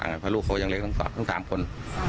เพราะลูกเขายังเล็กทั้ง๓คน